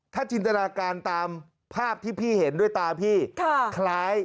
ถ้าจินตนาการตามภาพที่พี่เห็นด้วยตาพี่คล้าย